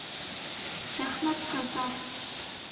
Рәхмәт, ҡыҙҙар!